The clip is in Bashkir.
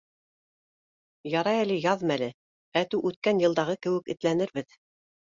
Ярай әле яҙ мәле, әтеү үткән йылдағы кеүек этләнербеҙ.